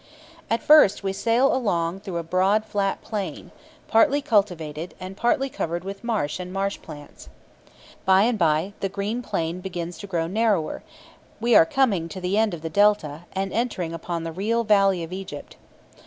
At first we sail along through a broad flat plain, partly cultivated, and partly covered with marsh and marsh plants. By and by the green plain begins to grow narrower; we are coming to the end of the Delta, and entering upon the real valley of Egypt.